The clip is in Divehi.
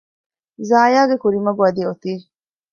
ޒާޔާގެ ކުރިމަގު އަދި އޮތީ